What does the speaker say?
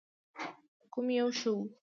کوم یو ښه و؟